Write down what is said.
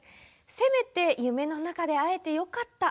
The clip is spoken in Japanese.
せめて夢の中で会えてよかった。